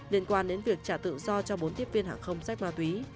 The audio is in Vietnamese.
liên quan đến việc trả tự do cho bốn tiếp viên hàng không sách ma túy